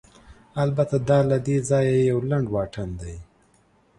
البته، دا له دې ځایه یو لنډ واټن دی.